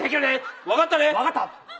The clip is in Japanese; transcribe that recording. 分かった。